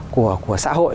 của xã hội